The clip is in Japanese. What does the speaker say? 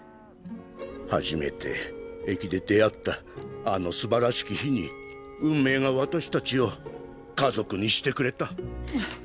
初めて駅で出会ったあのすばらしき日に運命が私たちを家族にしてくれた。